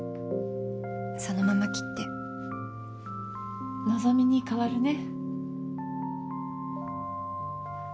そのまま切って望に代わるね。